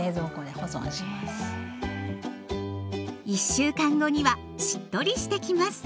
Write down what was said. １週間後にはしっとりしてきます。